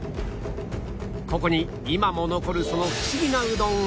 ここに今も残るそのフシギなうどんが